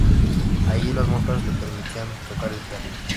Allí las monjas le permitían tocar el piano.